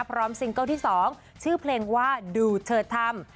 พร้อมซิงเกิ้ลที่๒ชื่อเพลงว่าดูเธอทำ